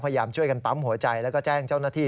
พยายามช่วยกันปั๊มหัวใจแล้วก็แจ้งเจ้าหน้าที่